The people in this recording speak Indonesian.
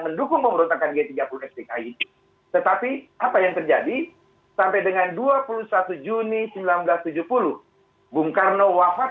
konsekuensi hukumnya tuduhan keji yang pernah dialamatkan kepada bung karno